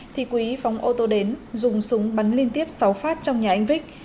thì quý phóng ô tô đến dùng súng bắn liên tiếp sáu phát trong nhà anh vích